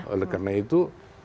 oleh karena itu